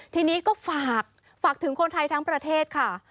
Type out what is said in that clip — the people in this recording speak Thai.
ทีนี้ก็ฝากถึงคนไทยทั้งประเทศค่ะ